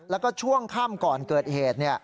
แล้วก็ช่วงค่ำก่อนเกิดเหตุ